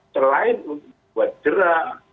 selain untuk buat dera